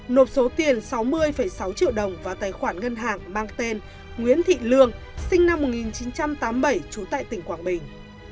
nộp số tiền sáu mươi sáu triệu đồng vào tài khoản ngân hàng mang tên nguyễn thị lương sinh năm một nghìn chín trăm tám mươi bảy trú tại tỉnh quảng bình